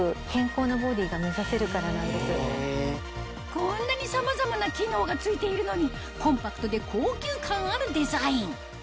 こんなにさまざまな機能が付いているのにコンパクトで高級感あるデザイン